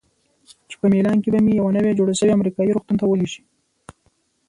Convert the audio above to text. چې په میلان کې به مې یوه نوي جوړ شوي امریکایي روغتون ته ولیږي.